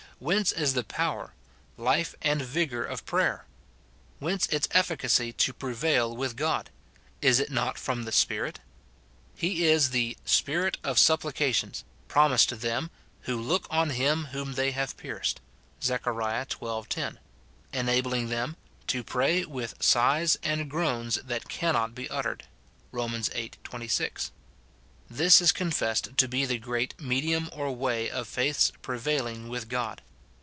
Whence is the power, life, and vigour of prayer ? whence its effi cacy to prevail with God ? Is it not from the Spirit ? He is the " Spirit of supplications" promised to them " who look on him whom they have pierced," Zech. xii. 10, enabling them " to pray with sighs and groans that cannot be uttered," Rom. viii. 26. This is confessed to be the great medium or way of faith's prevailing with God.